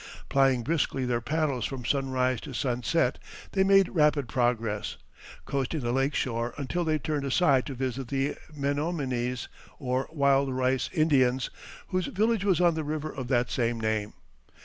Plying briskly their paddles from sunrise to sunset, they made rapid progress, coasting the lake shore until they turned aside to visit the Menominees, or Wild rice Indians, whose village was on the river of that same name.